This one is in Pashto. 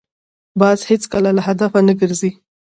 باز هېڅکله له هدفه نه ګرځي